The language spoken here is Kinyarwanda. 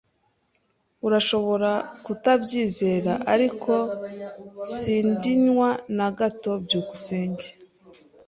[S] Urashobora kutabyizera, ariko sindinywa na gato. byukusenge